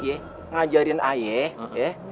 kayaknya ada teman ayah di rumah kawin